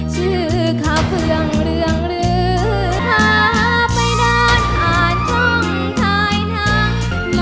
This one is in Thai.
ชื่อข้าเผืองเรืองหรือข้าไปด้านห่านท่องท้ายทาง